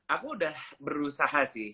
aku udah berusaha sih